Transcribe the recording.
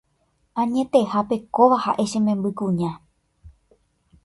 Añetehápe kóva ha'e che membykuña